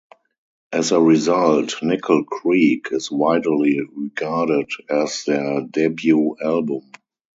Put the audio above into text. As a result, "Nickel Creek" is widely regarded as their debut album.